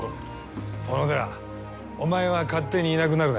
小野寺お前は勝手にいなくなるなよ。